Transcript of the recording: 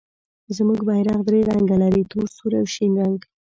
زموږ بیرغ درې رنګه لري، تور، سور او شین رنګ.